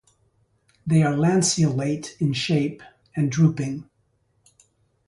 They are lanceolate in shape and drooping.